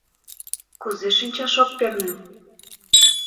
Кузе шинчаш ок перне?